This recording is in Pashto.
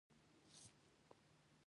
هغه د سولې او یووالي غږ کاوه.